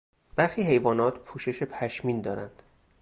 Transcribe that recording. برخی حیوانات پوشش پشمین دارند.